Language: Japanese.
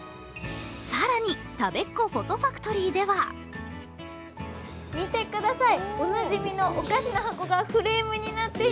更に、たべっ子フォトファクトリーでは見てください。